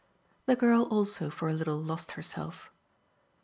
The girl also for a little lost herself.